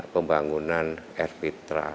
pembangunan air fitra